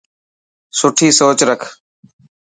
سٺي سوچ رک.